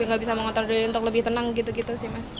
nggak bisa mengotor diri untuk lebih tenang gitu gitu sih mas